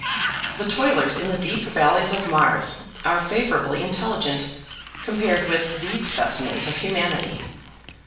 The toilers in the deep valleys of Mars are favorably intelligent compared with these specimens of humanity.